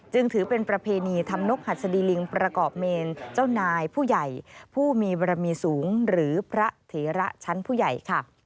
จึงถือเป็นประเพณีทำนกหัสดีลิงประกอบเมนเจ้านายผู้ใหญ่ผู้มีบรมีสูงหรือพระเถระชั้นผู้ใหญ่ค่ะ